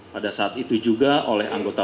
pada saat itu juga oleh anggota